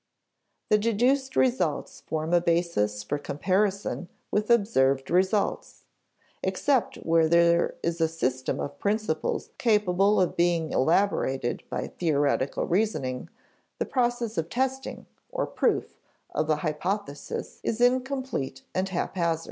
The deduced results form a basis for comparison with observed results. Except where there is a system of principles capable of being elaborated by theoretical reasoning, the process of testing (or proof) of a hypothesis is incomplete and haphazard.